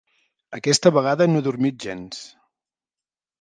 Aquesta vegada no he dormit gens.